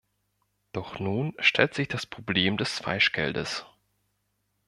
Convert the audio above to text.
Doch nun stellt sich das Problem des Falschgeldes.